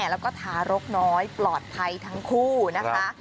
แล้วก็ทารกน้อยปลอดภัยทั้งคู่นะคะ